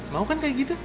mau kan kayak gitu